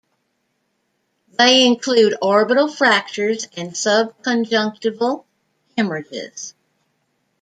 They include orbital fractures and subconjunctival hemorrhages.